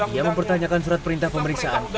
ia mempertanyakan surat perintah pemeriksaan